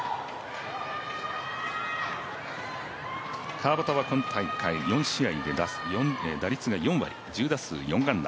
川畑は今大会４試合で打率が４割１０打数４安打。